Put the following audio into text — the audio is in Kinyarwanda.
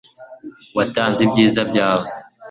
watanze ibyiza byawe